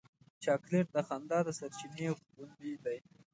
چاکلېټ د خندا د سرچېنې غوندې دی.